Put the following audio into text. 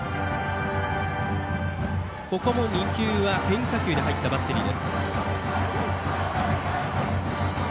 ここも２球は変化球で入ったバッテリー。